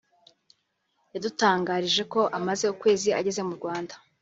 yadutangarije ko amaze ukwezi ageze mu Rwanda